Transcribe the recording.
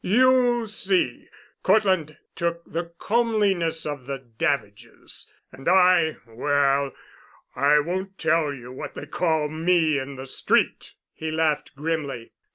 You see Cortland took the comeliness of the Davidges, and I—well, I won't tell you what they call me in the Street," he laughed grimly.